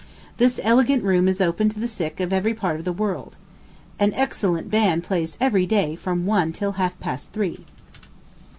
This elegant room is open to the sick of every part of the world. An excellent band plays every day from one till half past three.